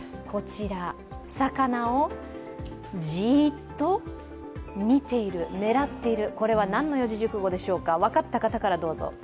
お魚をじーっと見ている、狙っている、これは何の四字熟語でしょうか分かった方からどうぞ。